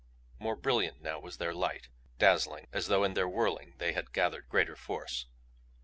More brilliant now was their light, dazzling; as though in their whirling they had gathered greater force.